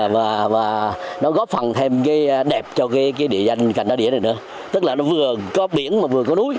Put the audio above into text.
và nó góp phần thêm cái đẹp cho cái địa danh cành đó địa này nữa tức là nó vừa có biển mà vừa có núi